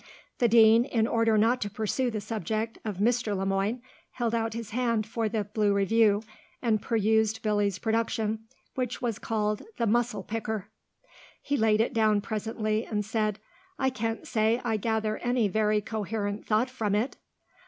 The Dean, in order not to pursue the subject of Mr. Le Moine, held out his hand for the Blue Review, and perused Billy's production, which was called "The Mussel Picker." He laid it down presently and said, "I can't say I gather any very coherent thought from it."